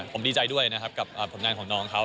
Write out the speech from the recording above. ผมดีใจด้วยนะครับกับผลงานของน้องเขา